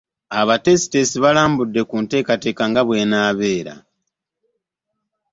Abateesiteesi balambuludde ku nteekateeka nga bw'enaabeera